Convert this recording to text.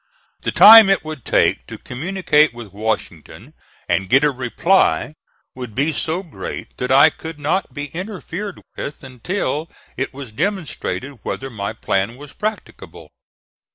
The time it would take to communicate with Washington and get a reply would be so great that I could not be interfered with until it was demonstrated whether my plan was practicable.